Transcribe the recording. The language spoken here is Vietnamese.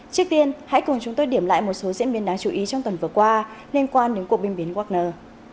trước tiên hãy cùng chúng tôi điểm lại một số diễn biến đáng chú ý trong tuần vừa qua liên quan đến cuộc binh biến wagner